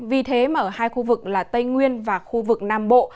vì thế mà ở hai khu vực là tây nguyên và khu vực nam bộ